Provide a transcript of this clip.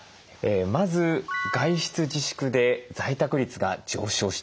まず外出自粛で在宅率が上昇していると。